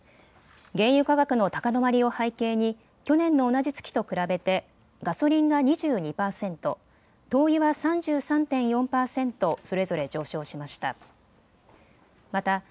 原油価格の高止まりを背景に去年の同じ月と比べてガソリンが２２％、灯油は３３．４％それぞれ上昇しました。